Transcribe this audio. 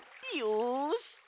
よし！